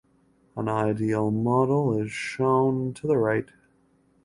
An ideal model is shown to the right.